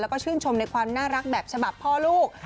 แล้วก็ชื่นชมในความน่ารักแบบฉบับพ่อลูก